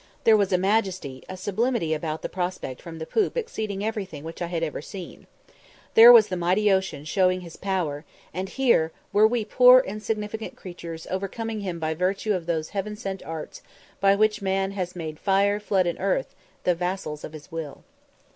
There was a majesty, a sublimity about the prospect from the poop exceeding everything which I had ever seen. There was the mighty ocean showing his power, and here were we poor insignificant creatures overcoming him by virtue of those heaven sent arts by which man "Has made fire, flood, and earth, The vassals of his will."